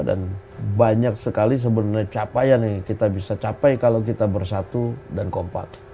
dan banyak sekali sebenarnya capaian yang kita bisa capai kalau kita bersatu dan kompat